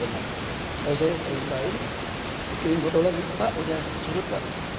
kalau saya perintahin kirim foto lagi pak sudah surut pak